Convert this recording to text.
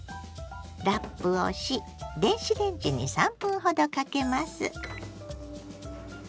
ラップをし電子レンジに３分ほどかけます。